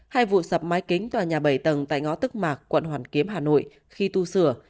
hai vụ sập mái kính tòa nhà bảy tầng tại ngõ tức mạc quận hoàn kiếm hà nội khi tu sửa